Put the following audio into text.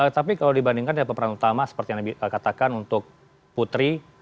tapi kalau dibandingkan dengan peperan utama seperti yang anda katakan untuk putri